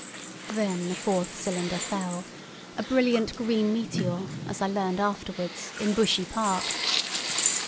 Then the fourth cylinder fell—a brilliant green meteor—as I learned afterwards, in Bushey Park.